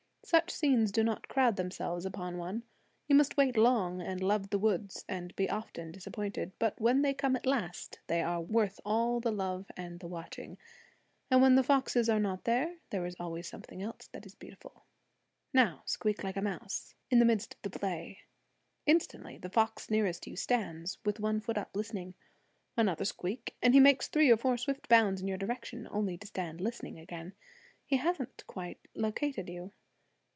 Such scenes do not crowd themselves upon one. He must wait long, and love the woods, and be often disappointed; but when they come at last, they are worth all the love and the watching. And when the foxes are not there, there is always something else that is beautiful. Now squeak like a mouse, in the midst of the play. Instantly the fox nearest you stands, with one foot up, listening. Another squeak, and he makes three or four swift bounds in your direction, only to stand listening again; he hasn't quite located you.